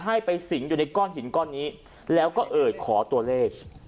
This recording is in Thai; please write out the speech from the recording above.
ให้ไปสิงอยู่ในก้อนหินก้อนนี้แล้วก็เอ่ยขอตัวเลข